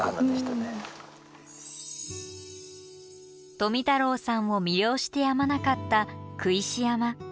富太郎さんを魅了してやまなかった工石山。